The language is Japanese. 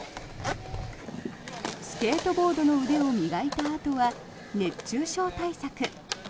スケートボードの腕を磨いたあとは、熱中症対策。